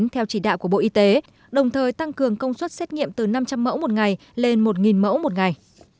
theo chỉ đạo của bộ y tế đồng thời tăng cường công suất xét nghiệm từ năm trăm linh mẫu một ngày lên một mẫu một ngày